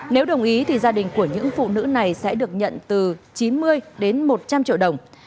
nếu đồng ý thì gia đình của những phụ nữ này sẽ được nhận từ chín mươi đến một trăm linh triệu đồng